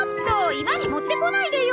居間に持ってこないでよ！